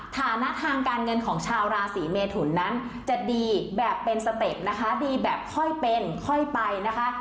ฐานะทางการเงินของชาวราศีเมทุนนั้นจะดีแบบเป็นสเต็ปนะคะดีแบบค่อยเป็นค่อยไปนะคะ